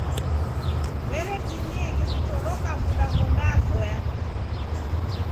W'eretimieghe kutoroka w'uda ghondazoya.